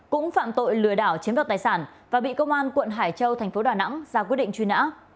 cũng phạm tội lừa đảo chiếm đợt tài sản và bị công an quận hải châu tp đà nẵng ra quyết định truy nã